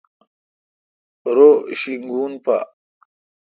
رو شینگون پا۔